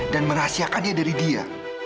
dan merahasiakannya dari dia